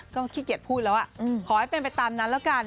ก็ขี้เกียจพูดแล้วขอให้เป็นไปตามนั้นแล้วกัน